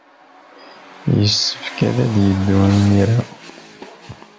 Yessefk ad yeddu imir-a.